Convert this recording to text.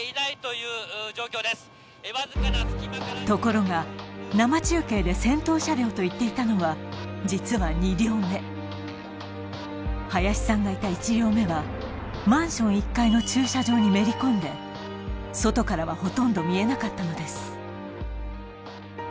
ところが生中継で先頭車両と言っていたのは実は２両目林さんがいた１両目はマンション１階の駐車場にめり込んで外からはほとんど見えなかったのです